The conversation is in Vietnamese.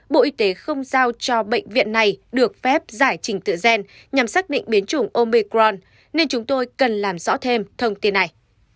bộ y tế không giao cho bệnh viện này được phép giải trình tự gen nhằm xác định biến chủng omecron nên chúng tôi cần làm rõ thêm thông tin này